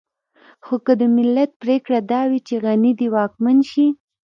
خو که د ملت پرېکړه دا وي چې غني دې واکمن شي.